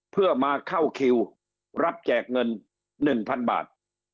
เพื่อมาเข้าคิวรับแจกเงิน๑๐๐๐บาท